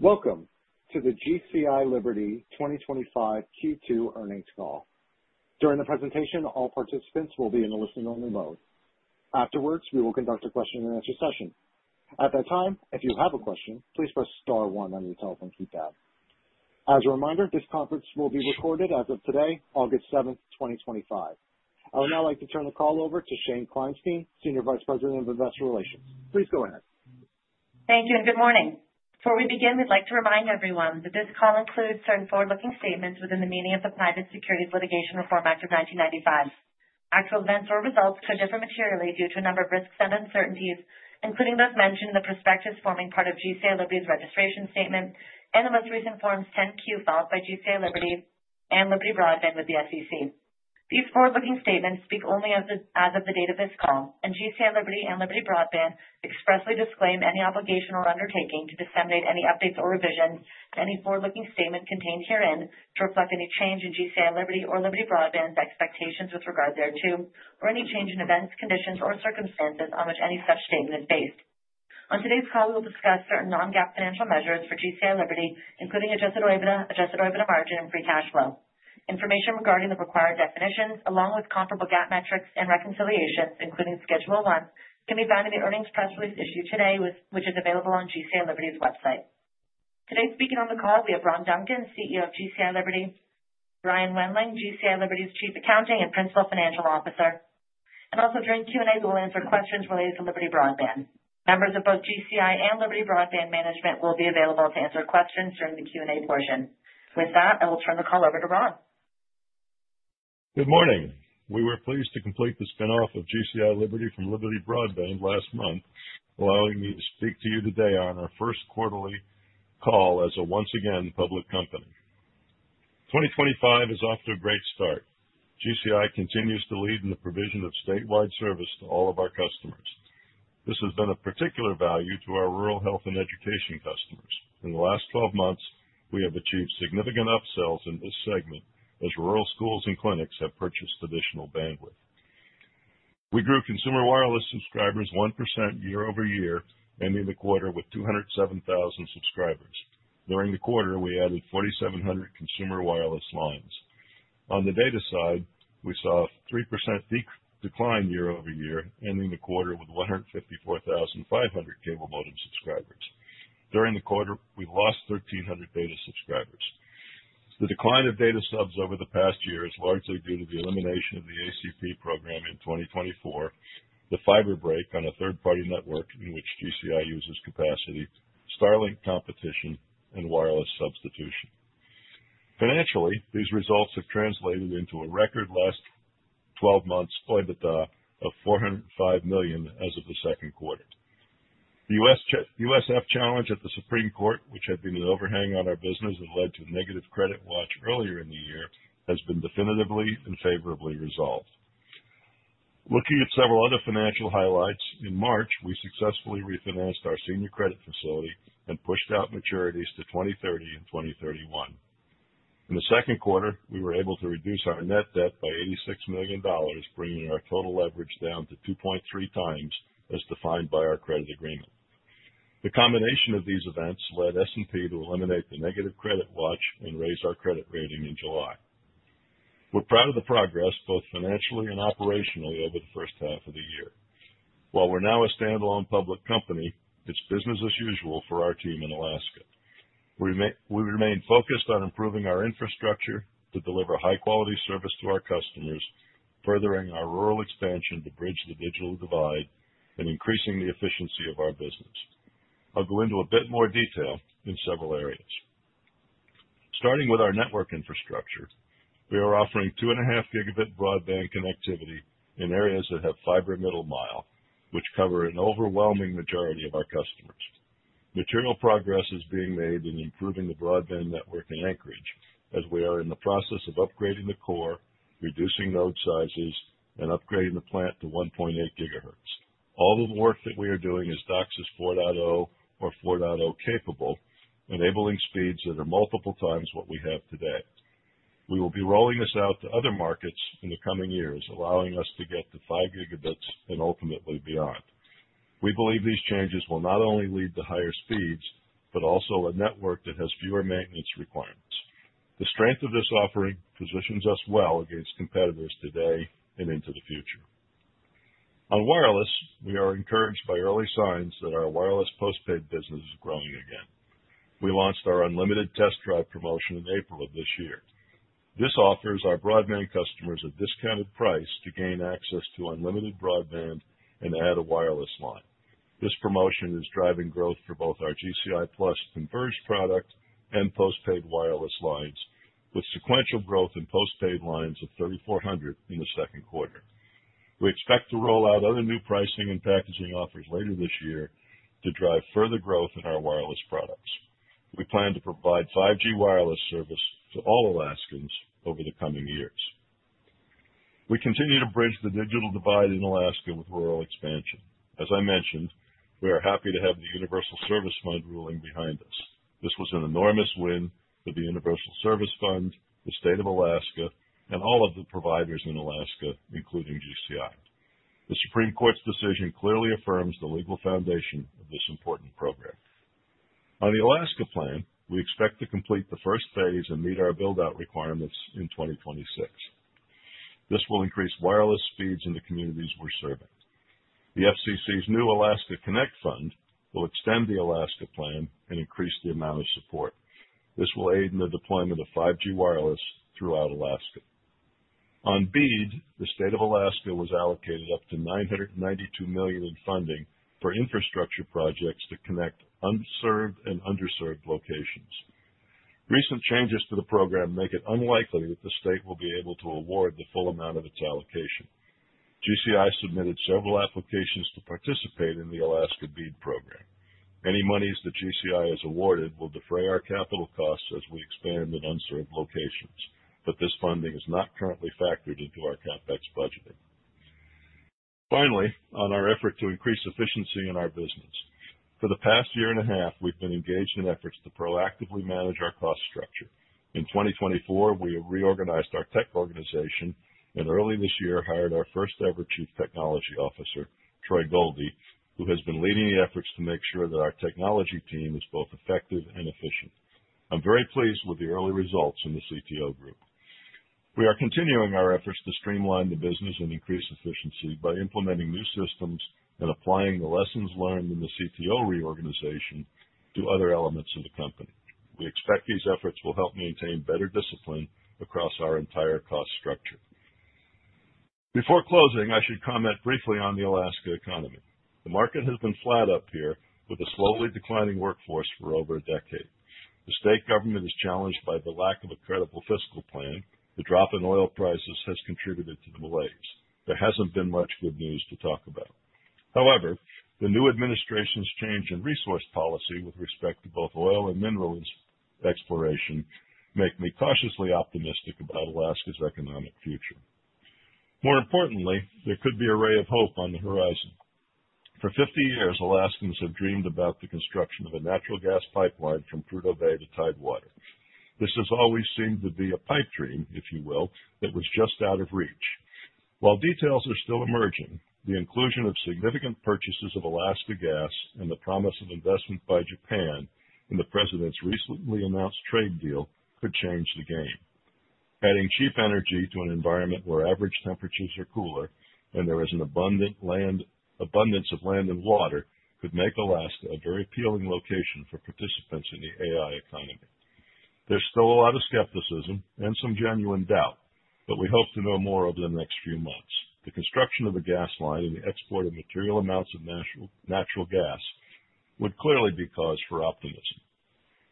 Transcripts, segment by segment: Welcome to the GCI Liberty 2025 Q2 Earnings Call. During the presentation, all participants will be in a listening-only mode. Afterwards, we will conduct a question-and-answer session. At that time, if you have a question, please press star one on your telephone keypad. As a reminder, this conference will be recorded as of today, August 7, 2025. I would now like to turn the call over to Shane Kleinstein, Senior Vice President of Investor Relations. Please go ahead. Thank you and good morning. Before we begin, we'd like to remind everyone that this call includes certain forward-looking statements within the meaning of the Private Securities Litigation Reform Act of 1995. Actual events or results could differ materially due to a number of risks and uncertainties, including those mentioned in the prospectus forming part of GCI Liberty's registration statement, and the most recent Forms 10-Q filed by GCI Liberty and Liberty Broadband Corporation with the SEC. These forward-looking statements speak only as of the date of this call, and GCI Liberty and Liberty Broadband Corporation expressly disclaim any obligation or undertaking to disseminate any updates or revisions to any forward-looking statement contained herein to reflect any change in GCI Liberty or Liberty Broadband Corporation's expectations with regard thereto, or any change in events, conditions, or circumstances on which any such statement is based. On today's call, we will discuss certain non-GAAP financial measures for GCI Liberty, including adjusted EBITDA, adjusted EBITDA margin, and free cash flow. Information regarding the required definitions, along with comparable GAAP metrics and reconciliation, including Schedule I, can be found in the earnings press release issued today, which is available on GCI Liberty's website. Today, speaking on the call, we have Ron Duncan, CEO of GCI Liberty, Brian Wendling, GCI Liberty's Chief Accounting and Principal Financial Officer, and also during Q&A, we will answer questions related to Liberty Broadband Corporation. Members of both GCI and Liberty Broadband Corporation management will be available to answer questions during the Q&A portion. With that, I will turn the call over to Ron. Good morning. We were pleased to complete the spin-off of GCI Liberty from Liberty Broadband Corporation last month, allowing me to speak to you today on our first quarterly call as a once-again public company. 2025 is off to a great start. GCI Liberty continues to lead in the provision of statewide service to all of our customers. This has been of particular value to our rural health and education customers. In the last 12 months, we have achieved significant upsells in this segment, as rural schools and clinics have purchased additional bandwidth. We grew consumer wireless subscribers 1% year-over-year, ending the quarter with 207,000 subscribers. During the quarter, we added 4,700 consumer wireless lines. On the data side, we saw a 3% decline year-over-year, ending the quarter with 154,500 cable modem subscribers. During the quarter, we lost 1,300 data subscribers. The decline of data subs over the past year is largely due to the elimination of the ACP program in 2024, the fiber break on a third-party network in which GCI uses capacity, Starlink competition, and wireless substitution. Financially, these results have translated into a record last 12 months EBITDA of $405 million as of the second quarter. The USF challenge at the Supreme Court, which had been the overhang on our business and led to a negative credit watch earlier in the year, has been definitively and favorably resolved. Looking at several other financial highlights, in March, we successfully refinanced our senior credit facility and pushed out maturities to 2030 and 2031. In the second quarter, we were able to reduce our net debt by $86 million, bringing our total leverage down to 2.3x, as defined by our credit agreement. The combination of these events led S&P to eliminate the negative credit watch, and raise our credit rating in July. We're proud of the progress, both financially and operationally over the first half of the year. While we're now a standalone public company, it's business as usual for our team in Alaska. We remain focused on improving our infrastructure to deliver high-quality service to our customers, furthering our rural expansion to bridge the digital divide and increasing the efficiency of our business. I'll go into a bit more detail in several areas. Starting with our network infrastructure, we are offering 2.5 gigabit broadband connectivity in areas that have fiber middle mile, which cover an overwhelming majority of our customers. Material progress is being made in improving the broadband network in Anchorage, as we are in the process of upgrading the core, reducing node sizes, and upgrading the plant to 1.8 GHz. All the work that we are doing is DOCSIS 4.0 or 4.0-capable, enabling speeds that are multiple times what we have today. We will be rolling this out to other markets in the coming years, allowing us to get to 5 Gb and ultimately beyond. We believe these changes will not only lead to higher speeds, but also a network that has fewer maintenance requirements. The strength of this offering positions us well against competitors today and into the future. On wireless, we are encouraged by early signs that our wireless postpaid business is growing again. We launched our unlimited test drive promotion in April of this year. This offers our broadband customers a discounted price to gain access to unlimited broadband and add a wireless line. This promotion is driving growth for both our GCI+ converged product and postpaid wireless lines, with sequential growth in postpaid lines of 3,400 in the second quarter. We expect to roll out other new pricing and packaging offers later this year, to drive further growth in our wireless products. We plan to provide 5G wireless service to all Alaskans over the coming years. We continue to bridge the digital divide in Alaska with rural expansion. As I mentioned, we are happy to have the Universal Service Fund ruling behind us. This was an enormous win for the Universal Service Fund, the State of Alaska, and all of the providers in Alaska, including GCI. The Supreme Court's decision clearly affirms the legal foundation of this important program. On the Alaska plan, we expect to complete the first phase and meet our build-out requirements in 2026. This will increase wireless speeds in the communities we're serving. The FCC's new Alaska Connect Fund will extend the Alaska plan and increase the amount of support. This will aid in the deployment of 5G wireless throughout Alaska. On BEAD, the State of Alaska was allocated up to $992 million in funding for infrastructure projects to connect unserved and underserved locations. Recent changes to the program make it unlikely that the state will be able to award the full amount of its allocation. GCI submitted several applications to participate in the Alaska BEAD program. Any monies that GCI has awarded will defray our capital costs as we expand in unserved locations, but this funding is not currently factored into our CapEx budgeting. Finally, on Our effort to increase efficiency in our business, for the past year and a half, we've been engaged in efforts to proactively manage our cost structure. In 2024, we reorganized our tech organization and early this year, hired our first-ever Chief Technology Officer, Troy Goldie, who has been leading the efforts to make sure that our technology team is both effective and efficient. I'm very pleased with the early results in the CTO group. We are continuing our efforts to streamline the business and increase efficiency, by implementing new systems and applying the lessons learned in the CTO reorganization to other elements of the company. We expect these efforts will help maintain better discipline across our entire cost structure. Before closing, I should comment briefly on the Alaska economy. The market has been flat up here, with a slowly declining workforce for over a decade. The state government is challenged by the lack of a credible fiscal plan. The drop in oil prices has contributed to the malaise. There hasn't been much good news to talk about. However, the new administration's change in resource policy with respect to both oil and mineral, exploration makes me cautiously optimistic about Alaska's economic future. More importantly, there could be a ray of hope on the horizon. For 50 years, Alaskans have dreamed about the construction of a natural gas pipeline from Prudhoe Bay to Tidewater. This has always seemed to be a pipe dream, if you will, that was just out of reach. While details are still emerging, the inclusion of significant purchases of Alaska gas and the promise of investment by Japan in the president's recently announced trade deal could change the game. Adding cheap energy to an environment where average temperatures are cooler and there is an abundance of land and water, could make Alaska a very appealing location for participants in the AI economy. There's still a lot of skepticism and some genuine doubt, but we hope to know more over the next few months. The construction of a gas line and the export of material amounts of natural gas would clearly be cause for optimism.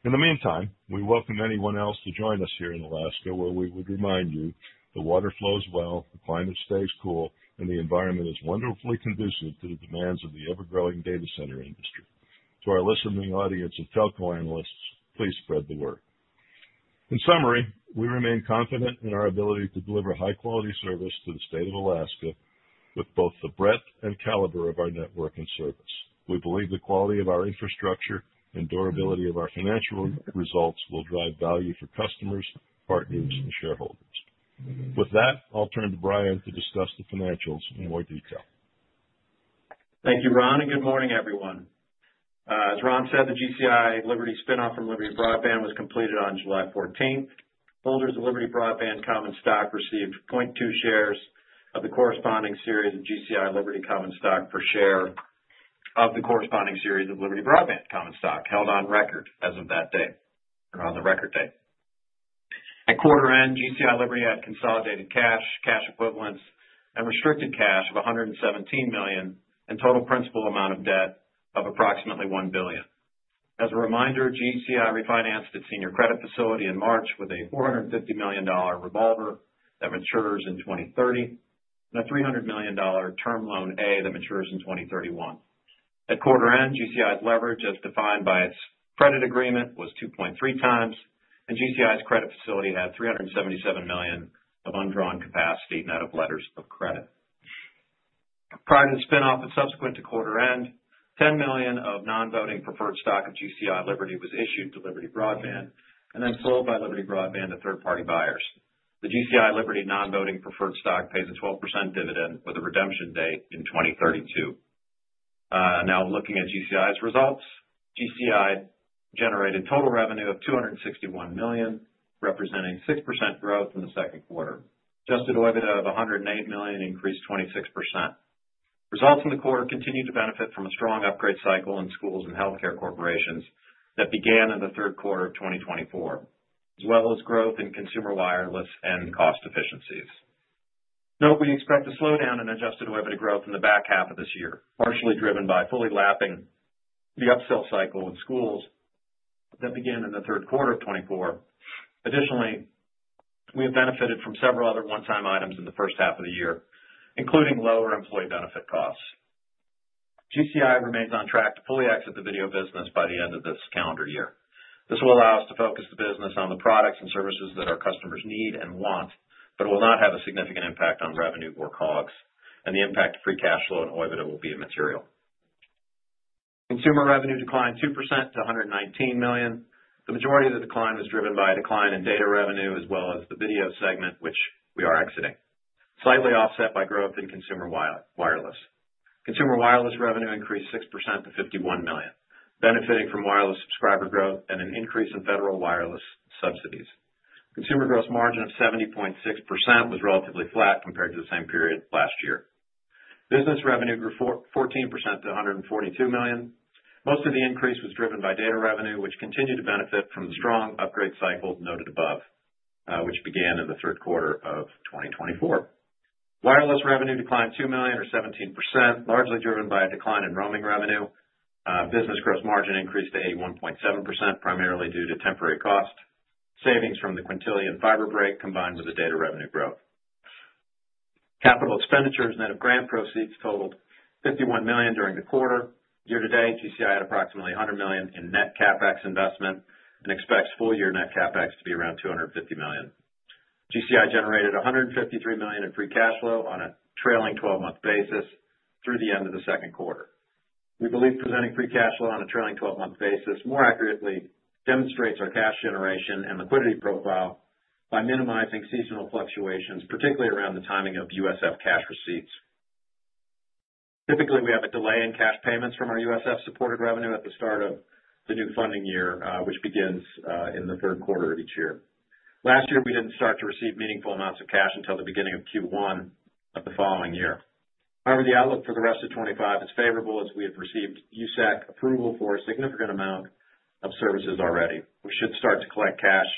In the meantime, we welcome anyone else to join us here in Alaska, where we would remind you the water flows well, the climate stays cool, and the environment is wonderfully conducive to the demands of the ever-growing data center industry. To our listening audience of telco analysts, please spread the word. In summary, we remain confident in our ability to deliver high-quality service to the State of Alaska, with both the breadth and caliber of our network and service. We believe the quality of our infrastructure and durability of our financial results will drive value for customers, partners, and shareholders. With that, I'll turn to Brian to discuss the financials in more detail. Thank you, Ron, and good morning, everyone. As Ron said, the GCI Liberty spin-off from Liberty Broadband Corporation was completed on July 14th. Holders of Liberty Broadband Corporation Common Stock received 0.2 shares of the corresponding series of GCI Liberty Common Stock per share, of the corresponding series of Liberty Broadband Corporation Common Stock held on record as of that day and on the record date. At quarter end, GCI Liberty had consolidated cash, cash equivalents, and restricted cash of $117 million and total principal amount of debt of approximately $1 billion. As a reminder, GCI refinanced its senior credit facility in March, with a $450 million revolver that matures in 2030 and a $300 million term loan A that matures in 2031. At quarter end, GCI's leverage, as defined by its credit agreement was 2.3x, and GCI's credit facility had $377 million of undrawn capacity net of letters of credit. Prior to the spin-off, but subsequent to quarter-end, $10 million of non-voting preferred stock of GCI Liberty was issued to Liberty Broadband Corporation and then sold by Liberty Broadband Corporation to third-party buyers. The GCI Liberty non-voting preferred stock pays a 12% dividend with a redemption date in 2032. Now looking at GCI's results, GCI generated total revenue of $261 million, representing 6% growth in the second quarter. Adjusted EBITDA of $108 million increased 26%. Results in the quarter continue to benefit from a strong upgrade cycle in schools and healthcare corporations that began in the third quarter of 2024, as well as growth in consumer wireless and the cost efficiencies. Note, we expect a slowdown in adjusted EBITDA growth in the back half of this year, partially driven by fully lapping the upsell cycle with schools that began in the third quarter of 2024. Additionally, we have benefited from several other one-time items in the first half of the year, including lower employee benefit costs. GCI remains on track to fully exit the video business by the end of this calendar year. This will allow us to focus the business on the products and services that our customers need and want, but it will not have a significant impact on revenue or COGS, and the impact on free cash flow and EBITDA will be immaterial. Consumer revenue declined 2% to $119 million. The majority of the decline was driven by a decline in data revenue, as well as the video segment, which we are exiting, slightly offset by growth in consumer wireless. Consumer wireless revenue increased 6% to $51 million, benefiting from wireless subscriber growth and an increase in federal wireless subsidies. Consumer gross margin is 70.6%, which is relatively flat compared to the same period last year. Business revenue grew 14% to $142 million. Most of the increase was driven by data revenue, which continued to benefit from the strong upgrade cycles noted above, which began in the third quarter of 2024. Wireless revenue declined $2 million or 17%, largely driven by a decline in roaming revenue. Business gross margin increased to 81.7%, primarily due to temporary cost savings from the Quintillion fiber break, combined with the data revenue growth. Capital expenditures' net of grant proceeds totaled $51 million during the quarter. Year to date, GCI had approximately $100 million in net CapEx investment, and expects full-year net CapEx to be around $250 million. GCI generated $153 million in free cash flow on a trailing 12-month basis through the end of the second quarter. We believe presenting free cash flow on a trailing 12-month basis more accurately demonstrates our cash generation and liquidity profile by minimizing seasonal fluctuations, particularly around the timing of USF cash receipts. Typically, we have a delay in cash payments from our USF-supported revenue at the start of the new funding year, which begins in the third quarter of each year. Last year, we didn't start to receive meaningful amounts of cash until the beginning of Q1 of the following year. However, the outlook for the rest of 2025 is favorable as we have received USAC approval for a significant amount of services already. We should start to collect cash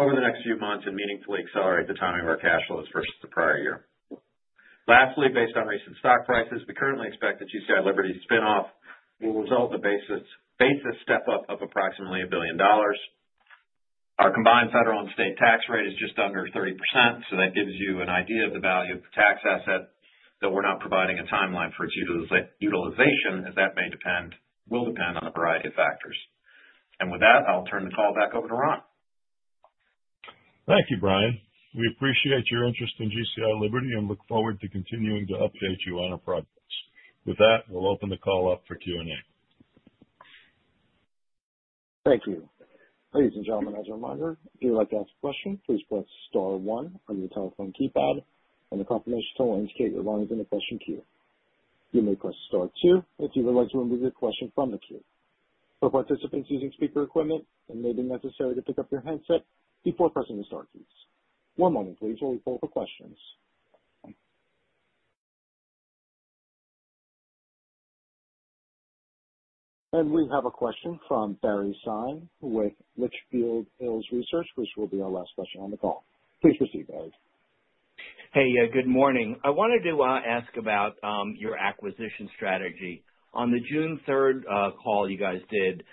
over the next few months, and meaningfully accelerate the timing of our cash flows versus the prior year. Lastly, based on recent stock prices, we currently expect the GCI Liberty spin-off will result in a basis step up of approximately $1 billion. Our combined federal and state tax rate is just under 30%, so that gives you an idea of the value of the tax asset, though we're not providing a timeline for its utilization, as that will depend on a variety of factors. With that, I'll turn the call back over to Ron. Thank you, Brian. We appreciate your interest in GCI Liberty and look forward to continuing to update you on our progress. With that, we'll open the call up for Q&A. Thank you. Ladies and gentlemen, as a reminder, if you would like to ask a question, please press star one on your telephone keypad, and the confirmation [symbol] indicates you're logged in the question queue. You may press star two if you would like to remove your question from the queue. For participants using speaker equipment, it may be necessary to pick up your headset before pressing the star keys. One moment, please. We'll be polling for questions. We have a question from Barry Sine with Litchfield Hills Research, which will be our last question on the call. Please proceed, Barry. Hey, good morning. I wanted to ask about your acquisition strategy. On the June 3rd call you guys did,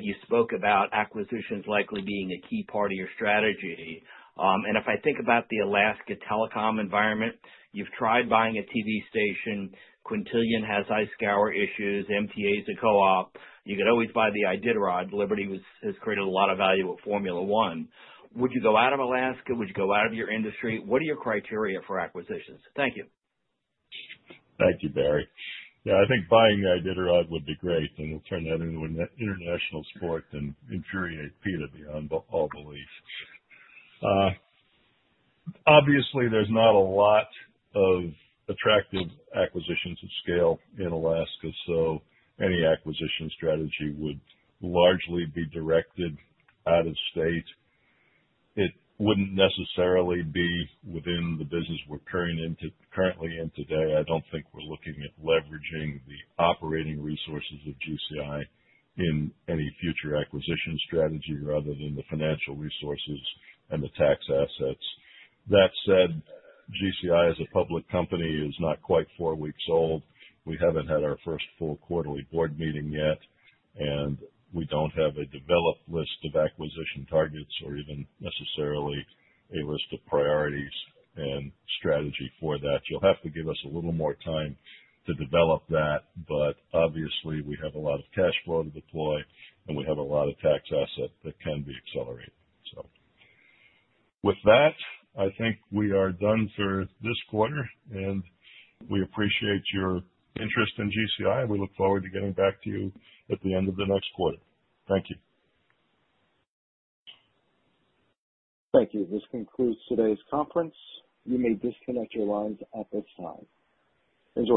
you spoke about acquisitions likely being a key part of your strategy. If I think about the Alaska telecom environment, you've tried buying a TV station. Quintillion has ice scour issues. MTA is a co-op. You could always buy the Iditarod. Liberty has created a lot of value at Formula One. Would you go out of Alaska? Would you go out of your industry? What are your criteria for acquisitions? Thank you. Thank you, Barry. Yeah, I think buying the Iditarod would be great, and we'll turn that into an international sport and infuriate Peter beyond all belief. Obviously, there's not a lot of attractive acquisitions at scale in Alaska, so any acquisition strategy would largely be directed out of state. It wouldn't necessarily be within the business we're currently in today. I don't think we're looking at leveraging the operating resources of GCI in any future acquisition strategy, rather than the financial resources and the tax assets. That said, GCI as a public company is not quite four weeks old. We haven't had our first full quarterly board meeting yet, and we don't have a developed list of acquisition targets or even necessarily a list of priorities and strategy for that. You'll have to give us a little more time to develop that, but obviously, we have a lot of cash flow to deploy and we have a lot of tax assets that can be accelerated. With that, I think we are done for this quarter, and we appreciate your interest in GCI and we look forward to getting back to you at the end of the next quarter. Thank you. Thank you. This concludes today's conference. You may disconnect your lines at this time. Thank you, all.